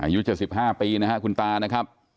อายุ๗๕ปีนะครับคุณตานะครับ